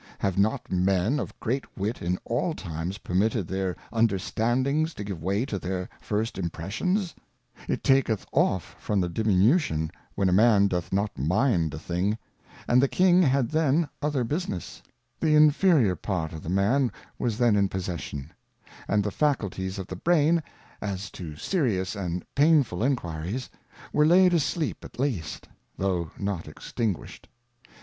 Have not Men of great Wit in all times permitted their Under standings to give way to their first Impressions ? It taketh off from the Diminution when a Man doth not mind a thing; and the King had then other Business : The inferior part of the Man was then in Possession, and the Faculties of the Brain, as to serious and painful Enquiries, were laid asleep at least, tho' not extinguished.